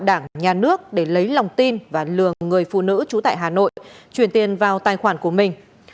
đảng nhà nước để lấy lòng tin và lừa người phụ nữ trú tại hà nội chuyển tiền vào tài khoản của mình